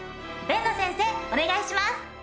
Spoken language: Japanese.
辨野先生お願いします！